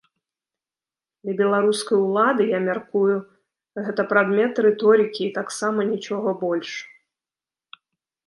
Для беларускай улады, я мяркую, гэта прадмет рыторыкі і таксама нічога больш.